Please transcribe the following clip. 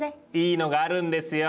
いいのがあるんですよ。